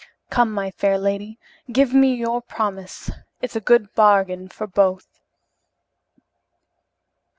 Come, my fair lady, give me your promise, it's a good bargain for both."